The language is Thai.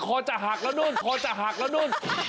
คอจะหากแล้วนู่น